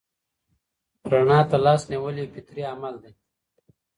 رڼا ته لاس نیول یو فطري عمل دی.